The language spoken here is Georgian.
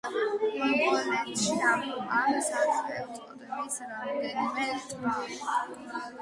მონღოლეთში ამ სახელწოდების რამდენიმე ტბაა.